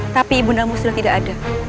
tapi ibu namu sudah tidak ada